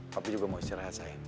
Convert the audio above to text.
papi juga mau istirahat sayang